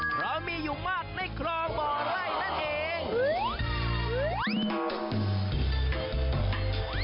เพราะมีอยู่มากในคลองบ่อไร่นั่นเอง